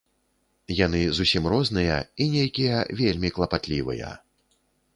Яны зусім розныя і нейкія вельмі клапатлівыя.